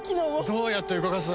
どうやって動かす！？